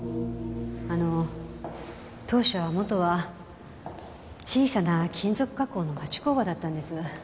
あの当社は元は小さな金属加工の町工場だったんです。